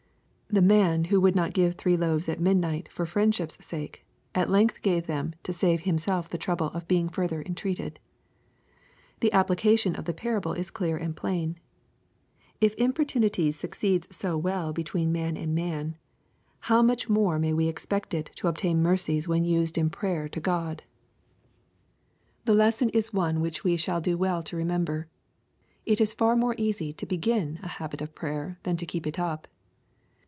The man^who would not give three loaves at midnight for friendship's sake, at length gave them to save himself the trouble of being further entreated. The application of the parable is clear and plain. If importunity succeeds so veil LUKE, CHAP. XI. 11 between man and man, how much more may we expect it to obtain mercies when used in prayer to God. The lesson is one which we shall do well to remember. It is far naore easy to begin a habit of prayer than to keep it up.